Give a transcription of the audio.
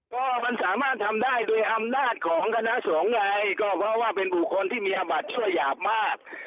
ก็มันสามารถทำได้โดยอำนาจของคณะสงฆ์ไงก็เพราะว่าเป็นบุคคลที่มีอาบัติช่วยหยาบมาก